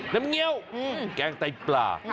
น้ำเงี๊ยวแกงไต้ปลา